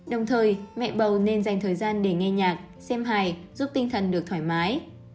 đồng thời mẹ bầu nên dành thời gian để nghe nhạc xem hài giúp tinh thần được thoải mái